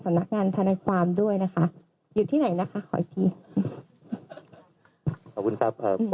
ท่านคุณะติ๊กเนี้ยบอกว่าตอนนั้นคือสาเหตุที่คุณโม้ตก